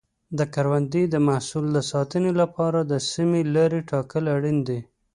د کروندې د محصول د ساتنې لپاره د سمې لارې ټاکل اړین دي.